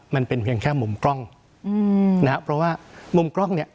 มันเป็นเพียงแค่มุมกล้องอืมนะฮะเพราะว่ามุมกล้องเนี่ย